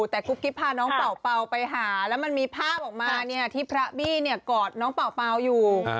แต่กุ๊กกิ๊บพาน้องเป่าไปหาแล้วมันมีภาพออกมาที่พระบี้กอดน้องเป่าอยู่